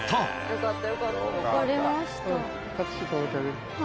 よかった。